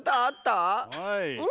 はい。